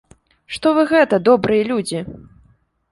Што вы гэта, добрыя людзі?